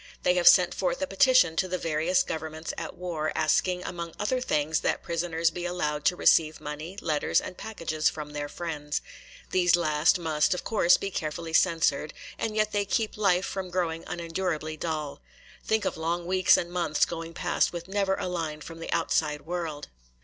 They have sent forth a petition to the various governments at war, asking among other things that prisoners be allowed to receive money, letters and packages from their friends. These last must of course be carefully censored, and yet they keep life from growing unendurably dull. Think of long weeks and months going past with never a line from the outside world!